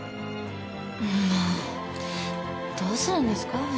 どうするんですか？